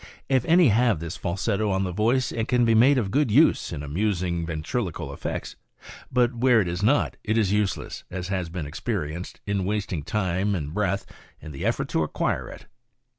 If any have this falsetto on the voice it can be made of good use iu amusing ventriloquial effects; but where it is not, it is useless, as has been experienced, in wasting time and breath in the effort to acquire it.